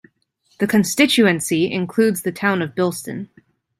The constituency includes the town of Bilston.